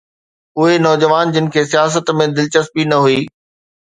اهي نوجوان جن کي سياست ۾ دلچسپي نه هئي.